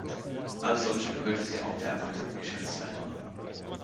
Als solche gehörte sie auch der erweiterten Geschäftsleitung an.